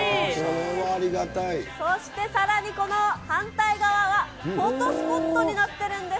そしてさらにこの反対側は、フォトスポットになっているんです。